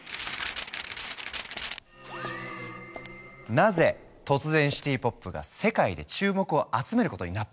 なぜ突然シティ・ポップが世界で注目を集めることになったのか。